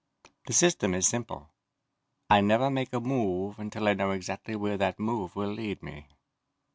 The system is simple: I never make a move until I know exactly where that move will lead me.